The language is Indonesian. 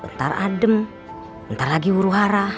ntar adem ntar lagi huru hara